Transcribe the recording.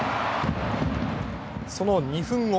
その２分後。